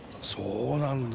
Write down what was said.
そうなんだ。